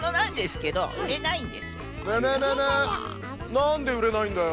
なんでうれないんだよ。